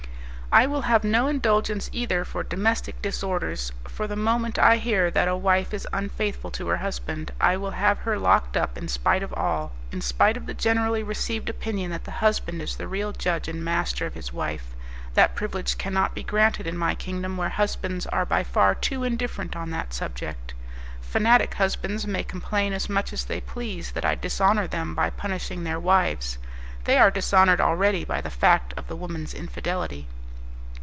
"I will have no indulgence either for domestic disorders, for the moment I hear that a wife is unfaithful to her husband, I will have her locked up, in spite of all, in spite of the generally received opinion that the husband is the real judge and master of his wife; that privilege cannot be granted in my kingdom where husbands are by far too indifferent on that subject. Fanatic husbands may complain as much as they please that I dishonour them by punishing their wives; they are dishonoured already by the fact of the woman's infidelity."